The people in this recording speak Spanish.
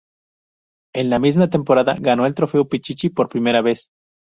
En la misma temporada ganó el trofeo Pichichi por primera vez.